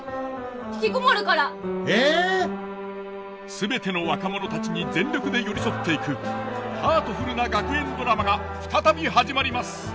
全ての若者たちに全力で寄り添っていくハートフルな学園ドラマが再び始まります。